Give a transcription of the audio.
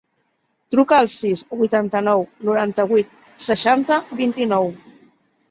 Truca al sis, vuitanta-nou, noranta-vuit, seixanta, vint-i-nou.